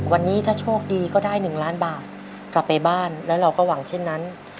วันนี้ถ้าโชคดีก็ได้๑ล้านบาทกลับไปบ้านแล้วเราก็หวังเช่นนั้น